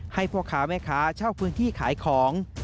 ให้พ่อค้าแม่ค้าเช่าพื้นที่ขายของ